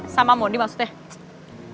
sama mondi maksudnya